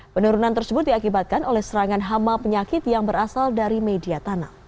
penurunan tersebut diakibatkan oleh serangan hama penyakit yang berasal dari media tanam